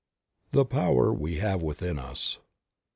THE POWER WE HAVE WITHIN US.